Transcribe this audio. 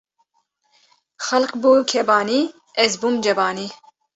Xelk bû kebanî, ez bûm cebanî